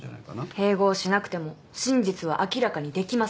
併合しなくても真実は明らかにできます。